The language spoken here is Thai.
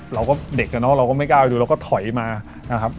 เราก็เด็กอะเนาะเราก็ไม่กล้าไปดูเราก็ถอยมานะครับ